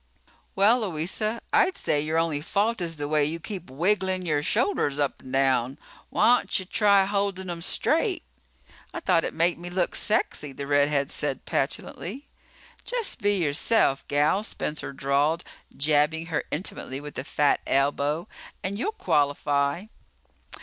"Well, Louisa, I'd say your only fault is the way you keep wigglin' your shoulders up 'n' down. Why'n'sha try holdin' 'em straight?" "I thought it made me look sexy," the redhead said petulantly. "Just be yourself, gal," Spencer drawled, jabbing her intimately with a fat elbow, "and you'll qualify."